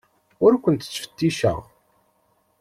Ur kent-ttfetticeɣ.